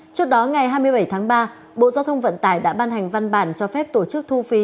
trước đó ngày hai mươi bảy tháng ba bộ giao thông vận tải đã ban hành văn bản cho phép tổ chức thu phí